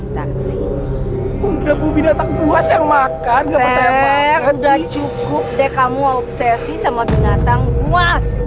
udah cukup deh kamu obsesi sama binatang buas